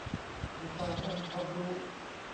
เพื่อสร้างองค์ความรู้